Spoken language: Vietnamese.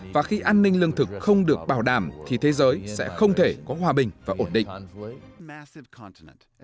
và khi an ninh lương thực không được bảo đảm thì thế giới sẽ không thể có hòa bình và ổn định